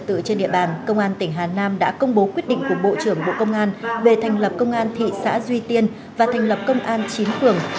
tự trên địa bàn công an tỉnh hà nam đã công bố quyết định của bộ trưởng bộ công an về thành lập công an thị xã duy tiên và thành lập công an chín phường